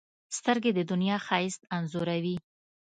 سترګې د دنیا ښایست انځوروي